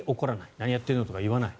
何やってるのとか言わない。